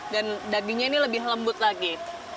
dan dagingnya ini lebih lembut lagi